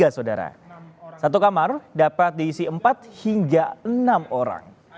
tiga saudara satu kamar dapat diisi empat hingga enam orang